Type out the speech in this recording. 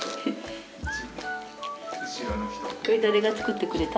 これ誰が作ってくれた？